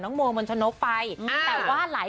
ขอโทษนะครับ